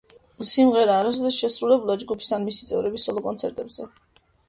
სიმღერა არასოდეს შესრულებულა ჯგუფის ან მისი წევრების სოლო კონცერტებზე.